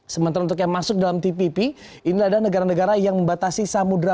sementara untuk yang masuk dalam tpp ini adalah negara negara yang membatasi samudera